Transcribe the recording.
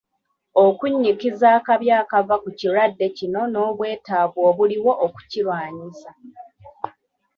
Okunnyikiza akabi akava ku kirwadde kino n'obwetaavu obuliwo okukirwanyisa.